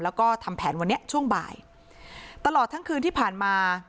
แล้วก็ทำแผนวันนี้ช่วงบ่ายตลอดทั้งคืนที่ผ่านมา